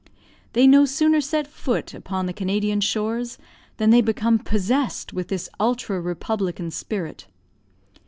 They no sooner set foot upon the Canadian shores then they become possessed with this ultra republican spirit.